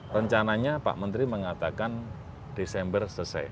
rencananya pak menteri mengatakan desember selesai